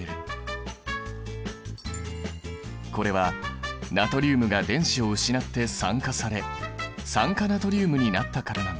これはナトリウムが電子を失って酸化され酸化ナトリウムになったからなんだ。